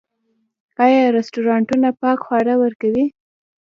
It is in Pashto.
آیا رستورانتونه پاک خواړه ورکوي؟